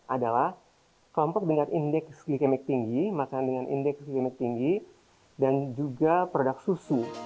adalah kelompok dengan indeks glikemik tinggi makanan dengan indeks glimik tinggi dan juga produk susu